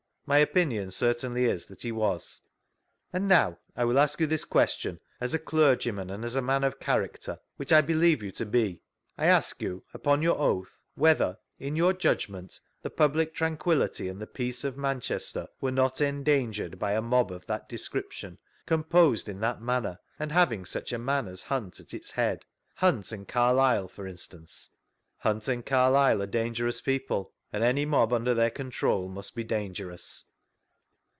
— My opinion certainly is, that he was. And now, I will aslc you this question, as a clergyman, and as a man <rf character, which I believe you to be — I ask you, upon your oath, whether, in your judgnKut, the public tranquillity and the peace of Manchester were not endangered by a mob <A that description, composed in that manner, and having such a man as Hunt at its head — Hunt and Carlile, for instance? — Hunt and Carlile are dangerous peofde, and any mob under their control must be dangerous.